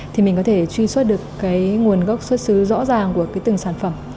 thì mình có thể truy xuất được cái nguồn gốc xuất xứ rõ ràng của cái từng sản phẩm